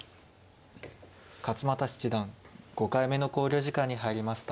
勝又七段５回目の考慮時間に入りました。